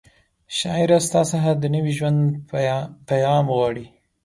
شاعره ستا څخه د نوي ژوند پیغام غواړي